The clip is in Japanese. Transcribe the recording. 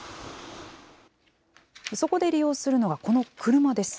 そこで利用するのがこの車です。